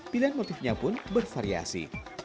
pilihan motifnya pun bervariasi